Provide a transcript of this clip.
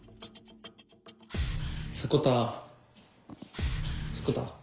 迫田迫田。